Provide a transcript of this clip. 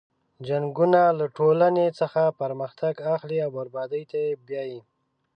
جنګونه له ټولنې څخه پرمختګ اخلي او بربادۍ ته یې بیایي.